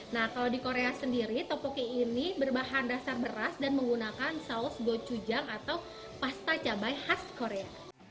nah kalau di korea sendiri topoki ini berbahan dasar beras dan menggunakan saus gochujang atau pasta cabai khas korea